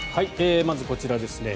まずこちらですね。